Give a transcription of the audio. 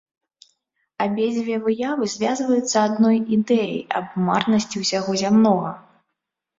Абедзве выявы звязваюцца адной ідэяй аб марнасці ўсяго зямнога.